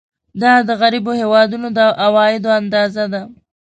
دا د غریبو هېوادونو د عوایدو اندازه ده.